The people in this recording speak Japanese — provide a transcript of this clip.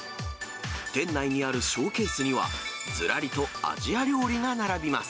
店内にあるショーケースには、ずらりとアジア料理が並びます。